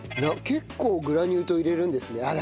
結構グラニュー糖入れるんですね。